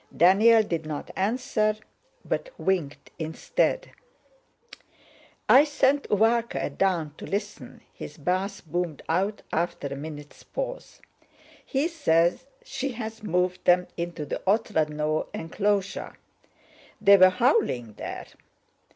Daniel did not answer, but winked instead. "I sent Uvárka at dawn to listen," his bass boomed out after a minute's pause. "He says she's moved them into the Otrádnoe enclosure. They were howling there."